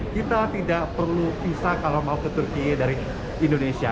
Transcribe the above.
kita tidak perlu visa kalau mau ke turkiye dari indonesia